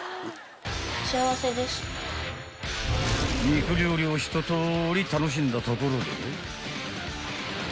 ［肉料理をひととおり楽しんだところで］